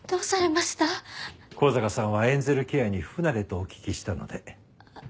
向坂さんはエンゼルケアに不慣れとお聞きしたので。